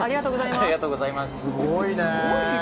すごいね。